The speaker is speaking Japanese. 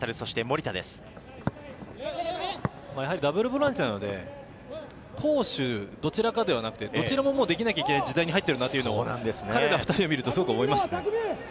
ダブルボランチなので、攻守どちらかではなくて、どちらもできなきゃいけない時代に入っているなというのを彼ら２人を見るとすごく思いますね。